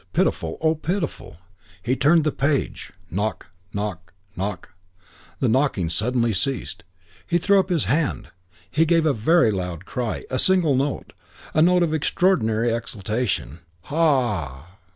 Pitiful, oh, pitiful. He turned the page, knock, knock, knock! The knocking suddenly ceased. He threw up his hand. He gave a very loud cry. A single note. A note of extraordinary exultation: "Ha!"